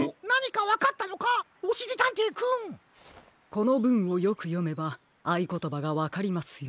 このぶんをよくよめばあいことばがわかりますよ。